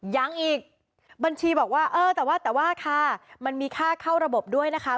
ยังอีกบัญชีบอกว่าเออแต่ว่าแต่ว่าค่ะมันมีค่าเข้าระบบด้วยนะคะ